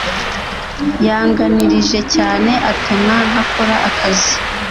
yanganirije cyane atuma ntakora akazi